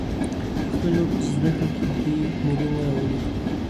پښتو ژبه په زده کړه کې بې میلي نه راولي.